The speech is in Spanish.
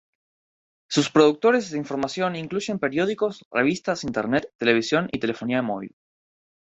Sus productos de información incluyen periódicos, revistas, Internet, televisión y telefonía móvil.